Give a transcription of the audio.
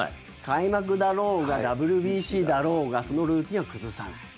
開幕だろうがＷＢＣだろうがそのルーティンは崩さない。